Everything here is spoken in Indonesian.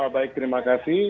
baik terima kasih